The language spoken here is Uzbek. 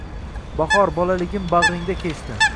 Bahor bolaligim bag‘ringda kechdi